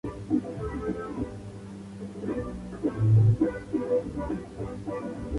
Dimensiones: son los ejes del cubo.